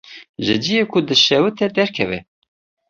Ji ciyê ku dişewite derkeve.